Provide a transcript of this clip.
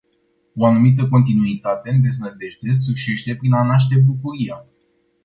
O anumită continuitate în deznădejde sfârșește prin a naște bucuria.